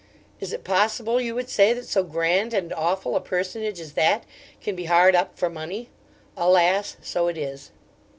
Is it possible, you would say, that so grand and awful a personage as that can be hard up for money? Alas! So it is.